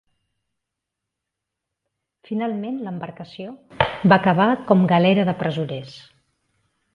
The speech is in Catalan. Finalment l'embarcació va acabar com galera de presoners.